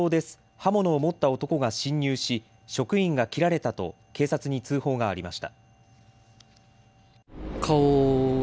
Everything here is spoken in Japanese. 刃物を持った男が侵入し職員が切られたと警察に通報がありました。